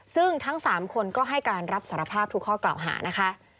ซึ่งทั้ง๓คนก็ให้การรับสารภาพทุกข้อกล่าวหานะคะ